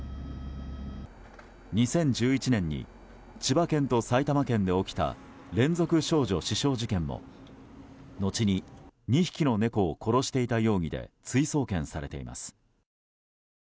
２０１１年に千葉県と埼玉県で起きた連続少女刺傷事件も後に、２匹の猫を殺していた容疑で追送検されています。